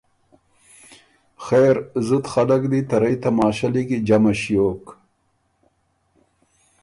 خېر زُت خلق دی ته رئ تماشۀ لیکی جمع ݭیوک